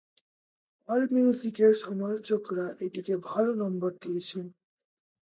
AllMusic এর সমালোচকরা এটিকে ভাল নম্বর দিয়েছে।